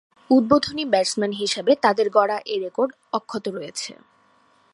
উদ্বোধনী ব্যাটসম্যান হিসেবে তাদের গড়া এ রেকর্ড অক্ষত রয়েছে।